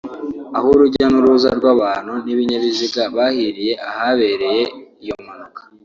aho urujya n’uruza rw’abantu n’ibinyabiziga bahiriye ahabereye iyo mpanuka